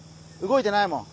動いてないもん。